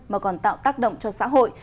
mà còn tạo tác động cho xã hội